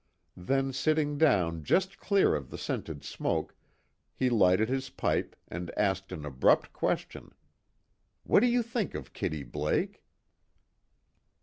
Then sitting down just clear of the scented smoke, he lighted his pipe and asked an abrupt question: "What do you think of Kitty Blake?"